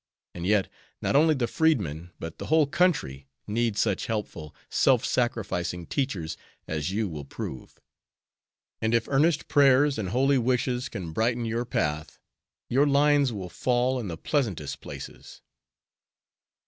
And yet, not only the freedmen, but the whole country, need such helpful, self sacrificing teachers as you will prove; and if earnest prayers and holy wishes can brighten your path, your lines will fall in the pleasantest places."